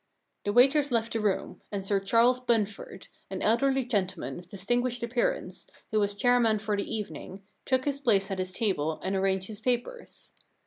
The waiters left the room, and Sir Charles Bunford, an elderly gentleman of distinguished appearance, who was chairman for the evening, took his place at his table and arranged his papers.